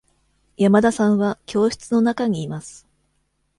山田さんは教室の中にいます。